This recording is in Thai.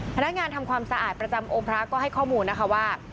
พนักงานทำความสะอาดประจำองค์พระก็ให้ข้อมูลนะคะว่า